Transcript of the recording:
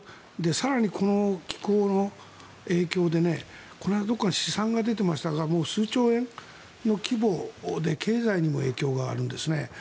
更にこの気候の影響でこの間、どこかで試算が出ていましたが数兆円の規模で経済にも影響があるんですね。